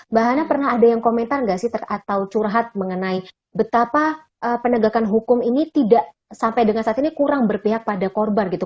mbak hana pernah ada yang komentar nggak sih atau curhat mengenai betapa penegakan hukum ini tidak sampai dengan saat ini kurang berpihak pada korban gitu